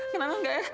kenalan gak ya